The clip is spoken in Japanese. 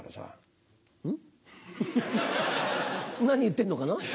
何言ってんのかな？